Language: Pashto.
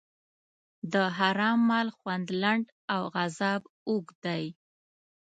د حرام مال خوند لنډ او عذاب اوږد دی.